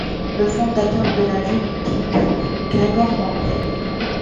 Le fondateur de la génétique Gregor Mendel.